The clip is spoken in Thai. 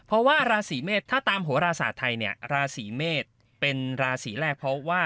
เพราะว่าราศีเมษถ้าตามโหราศาสตร์ไทยเนี่ยราศีเมษเป็นราศีแรกเพราะว่า